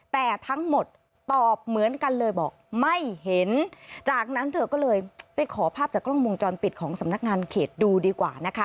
แต่ทั้งหมดตอบเหมือนกันเลยบอกไม่เห็นจากนั้นเธอก็เลยไปขอภาพจากกล้องวงจรปิดของสำนักงานเขตดูดีกว่านะคะ